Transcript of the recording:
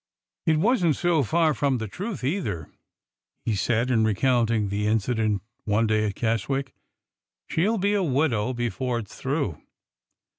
'' It was n't so far from the truth, either," he said in recounting the incident one day at Keswick. She 'll be a widow before it 's through